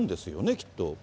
きっと。